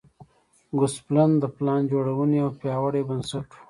ګوسپلن د پلان جوړونې یو پیاوړی بنسټ و